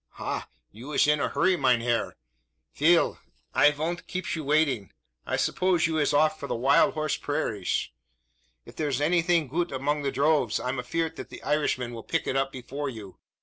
"Ha! you ish in a hurry, mein herr. Fel I von't keeps you waitin'; I suppose you ish off for the wild horsh prairish. If there's anything goot among the droves, I'm afeart that the Irishmans will pick it up before you.